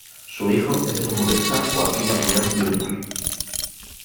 Su hijo es el humorista Joaquín Piñón Jr.